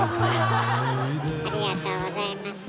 ありがとうございます。